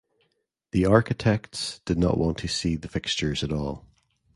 The architects did not want to see the fixtures at all.